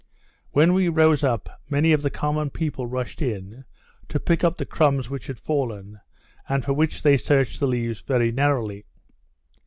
When we rose up, many of the common people rushed in, to pick up the crumbs which had fallen, and for which they searched the leaves very narrowly.